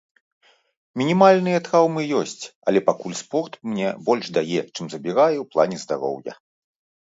Мінімальныя траўмы ёсць, але пакуль спорт мне больш дае, чым забірае ў плане здароўя.